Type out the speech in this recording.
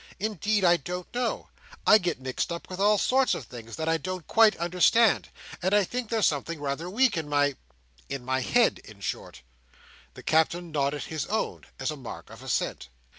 Indeed, I don't know. I get mixed up with all sorts of things that I don't quite understand, and I think there's something rather weak in my—in my head, in short." The Captain nodded his own, as a mark of assent.